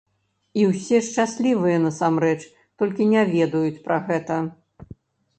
І ўсе шчаслівыя насамрэч, толькі не ведаюць пра гэта.